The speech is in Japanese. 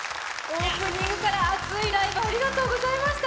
オープニングから熱いライブありがとうございました。